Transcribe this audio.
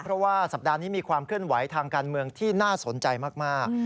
เพราะว่าสัปดาห์นี้มีความเคลื่อนไหวทางการเมืองที่น่าสนใจมาก